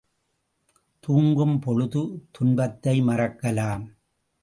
துங்கும் பொழுது துன்பத்தை மறக்கலாம்.